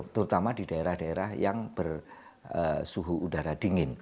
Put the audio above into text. terutama di daerah daerah yang bersuhu udara dingin